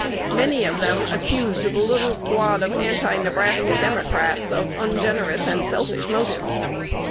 Many of them accused the little squad of Anti Nebraska Democrats of "ungenerous and selfish" motives.